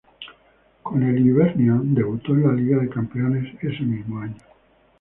Con el Hibernian debutó en la Liga de Campeones ese mismo año.